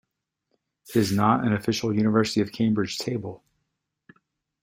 It is not an official University of Cambridge table.